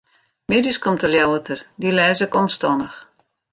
Middeis komt de Ljouwerter, dy lês ik omstannich.